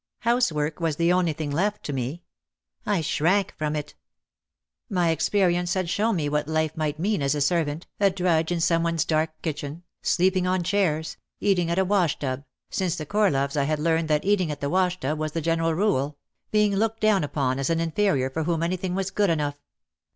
Housework was the only thing left to me. I shrank from it. My experience had showed me what my life 276 OUT OF THE SHADOW might mean as a servant, a drudge in some one's dark kitchen, sleeping on chairs, eating at the washtub (since the Corloves I had learned that eating at the washtub was the general rule), being looked down upon as an inferior for whom anything was good enough.